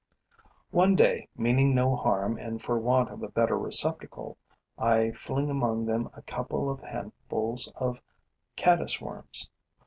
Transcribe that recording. One day, meaning no harm and for want of a better receptacle, I fling among them a couple of handfuls of caddis worms.